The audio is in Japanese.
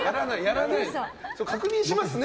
確認しますね。